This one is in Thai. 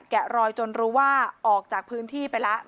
แกะรอยจนรู้ว่าออกจากพื้นที่ไปแล้ว